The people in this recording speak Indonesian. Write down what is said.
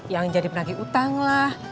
yang jadi penagih utang lah